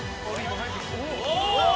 お！